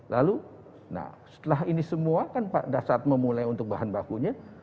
lalu nah setelah ini semua kan pada saat memulai untuk bahan bakunya